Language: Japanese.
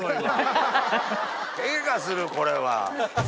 ケガするこれは。